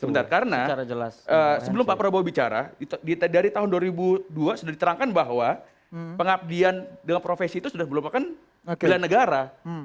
sebentar karena sebelum pak prabowo bicara dari tahun dua ribu dua sudah diterangkan bahwa pengabdian dengan profesi itu sudah merupakan bela negara